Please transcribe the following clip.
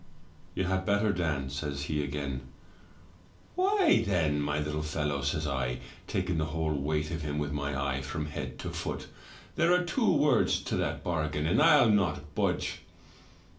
" 'You had better, Dan,' says he again. " 'Why, then, my Uttle fellow,' says I, taking the whole weight of him with my eye from head to foot, 'there are two words to that bargain; and I'll not budge!'